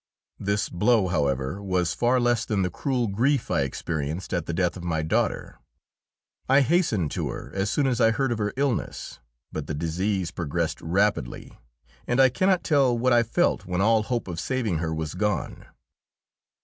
This blow, however, was far less than the cruel grief I experienced at the death of my daughter. I hastened to her as soon as I heard of her illness, but the disease progressed rapidly, and I cannot tell what I felt when all hope of saving her was gone.